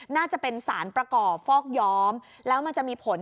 น่าจะเป็นสารประกอบฟอกย้อมแล้วมันจะมีผล